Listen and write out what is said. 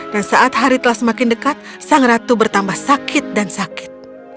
dan saat hari telah semakin dekat sang ratu bertambah sakit dan sakit